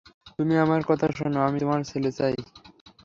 তুমি আমার কথা শোন, আমি আমার ছেলে চাই।